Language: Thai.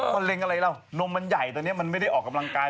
มะเร็งอะไรเรานมมันใหญ่ตอนนี้มันไม่ได้ออกกำลังกาย